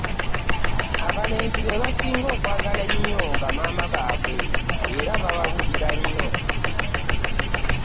abalenzi be basinga okwagala ennyo ba maama baabwe era babawulira nnyo.